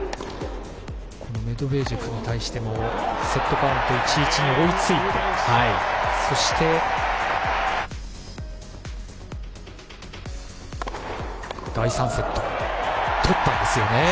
メドベージェフに対してもセットカウント１−１に追いついてそして、第３セット取ったんですよね。